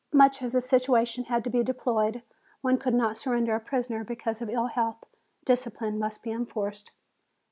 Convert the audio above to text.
Much as the situation was to be deplored, one could not surrender a prisoner because of ill health. Discipline must be enforced.